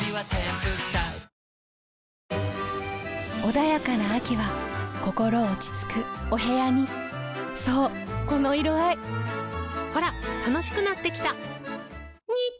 穏やかな秋は心落ち着くお部屋にそうこの色合いほら楽しくなってきた！